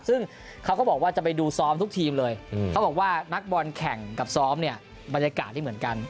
ซึ่งเขาก็บอกว่าจะไปดูซ้อมทุกทีมเลยเขาบอกว่านักบอลแข่งกับซ้อมเนี่ยบรรยากาศที่เหมือนกัน